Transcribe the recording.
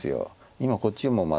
今こっちもまだ。